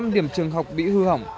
một mươi năm điểm trường học bị hư hỏng